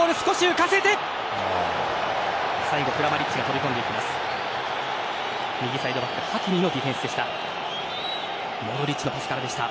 最後、クラマリッチが飛び込んでいきました。